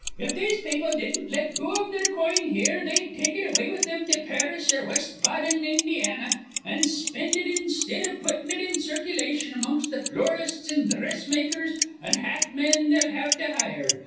If these people didn't let go iv their coin here, they'd take it away with thim to Paris or West Baden, Indiana, an' spind it instid iv puttin' it in circulation amongst th' florists an' dhressmakers an' hackmen they'll have to hire.